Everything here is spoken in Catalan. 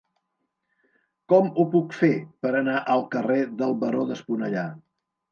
Com ho puc fer per anar al carrer del Baró d'Esponellà?